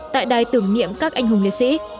tại đài tưởng niệm các anh hùng liệt sĩ